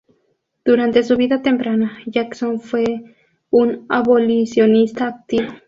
Durante su vida temprana, Jackson fue un abolicionista activo.